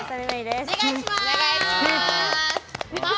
お願いします！